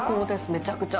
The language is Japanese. めちゃくちゃ。